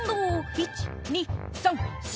１・２・３・４」